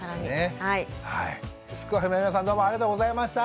すくファミの皆さんどうもありがとうございました！